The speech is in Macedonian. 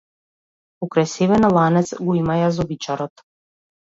Покрај себе на ланец го има јазовичарот.